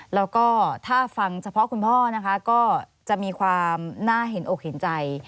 แล้วก็ถ้าฟังเฉพาะคุณพ่อนะคะก็จะมีความน่าเห็นอกเห็นใจ